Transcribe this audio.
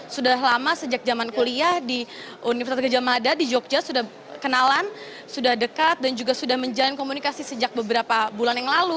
sudah lama sejak zaman kuliah di universitas gejamada di jogja sudah kenalan sudah dekat dan juga sudah menjalin komunikasi sejak beberapa bulan yang lalu